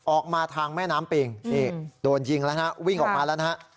ออกมาทางแม่น้ำปิงนี่โดนยิงแล้วนะฮะวิ่งออกมาแล้วนะฮะ